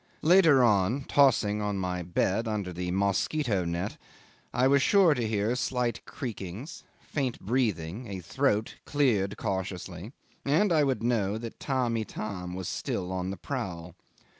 Later on, tossing on my bed under the mosquito net, I was sure to hear slight creakings, faint breathing, a throat cleared cautiously and I would know that Tamb' Itam was still on the prowl.